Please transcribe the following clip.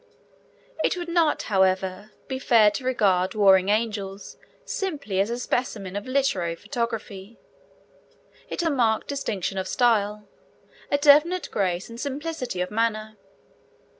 It would not, however, be fair to regard Warring Angels simply as a specimen of literary photography. It has a marked distinction of style, a definite grace and simplicity of manner.